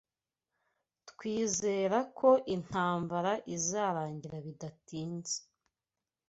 Twizere ko intambara izarangira bidatinze.